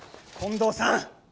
近藤さん！